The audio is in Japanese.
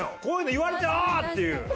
こういうの言われて「ああー」っていう。